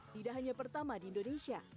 tidak hanya pertama di indonesia